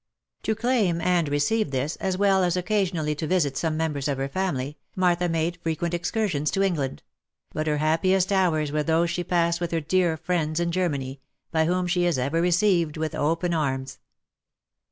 To claim and receive this, as well as oc casionally to visit some members of her family, Martha made frequent excursions to England ; but her happiest hours were those she passed with her dear friends in Germany, by whom she is ever received with open arms.